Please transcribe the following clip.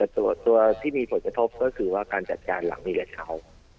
ตัวที่มีผลกระทบก็คือว่าการจัดการหลังนี้กับเขา